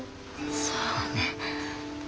そうね。